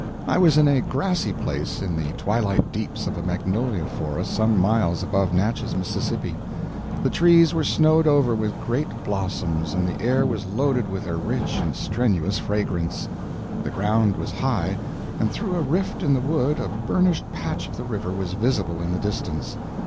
I was in a grassy place in the twilight deeps of a magnolia forest some miles above Natchez, Mississippi; the trees were snowed over with great blossoms, and the air was loaded with their rich and strenuous fragrance; the ground was high, and through a rift in the wood a burnished patch of the river was visible in the distance.